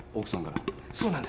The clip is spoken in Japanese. そうなんです。